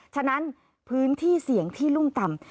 ฉะนั้นพื้นที่เสี่ยงที่รุ่มต่ำ